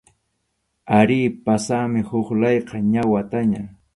Arí, pasanmi huk layqa, ña wataña.